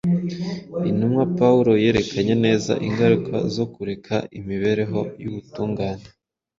Intumwa Pawulo yerekanye neza ingaruka zo kureka imibereho y’ubutungane